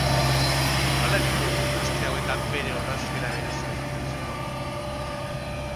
Nola egingo du aste hauetan bere orrazkera berezia mantentzeko?